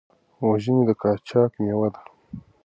وژنې د قاچاق مېوه ده.